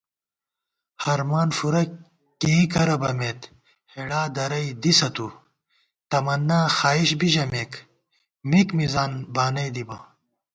ہرمان فُورہ کېئ کرہ بَمېت ہېڑا درَئی دِسہ تُو * تمنّاں خائیش بِی ژَمېک مِک مِزان بانَئی دِبہ